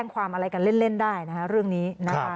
ไม่มีอะไรค่ะเป็นผิดที่หนูเองค่ะ